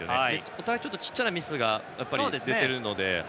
お互い小さなミスが出ているので。